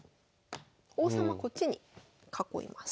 王様こっちに囲います。